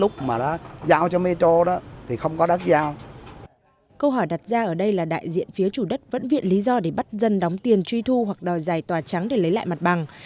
câu hỏi đặt ra ở đây là đại diện phía chủ đất vẫn viện lý do để bắt dân đóng tiền truy thu hoặc đòi giải tòa trắng để lấy lại mặt bằng